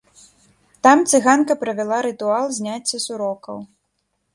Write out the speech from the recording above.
Там цыганка правяла рытуал зняцця сурокаў.